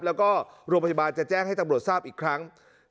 แล้วก็โรงพยาบาลจะแจ้งให้ตำรวจทราบอีกครั้ง